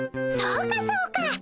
そうかそうか。